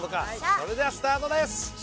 それではスタートです。